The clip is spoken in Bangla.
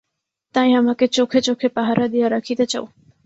তাই আমাকে চোখে চোখে পাহারা দিয়া রাখিতে চাও?